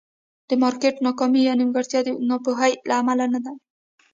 د مارکېټ ناکامي یا نیمګړتیا د ناپوهۍ له امله نه وي.